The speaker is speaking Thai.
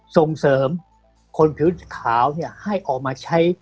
ส่งเสริมคนผิวขาวให้ออกมาใช้